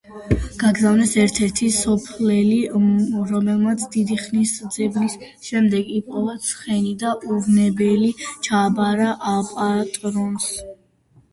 გაგზავნეს ერთ-ერთი სოფლელი, რომელმაც დიდი ხნის ძებნის შემდეგ იპოვა ცხენი და უვნებელი ჩააბარა პატრონს.